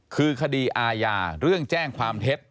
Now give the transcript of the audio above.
คือคดีอาญาเรื่องแจ้งความเท็จ